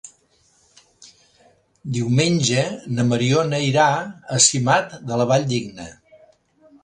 Diumenge na Mariona irà a Simat de la Valldigna.